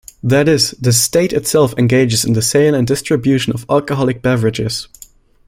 That is, the state itself engages in the sale and distribution of alcoholic beverages.